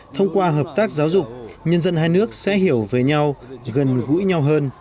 thông qua hợp tác giáo dục nhân dân hai nước sẽ hiểu về nhau gần gũi nhau hơn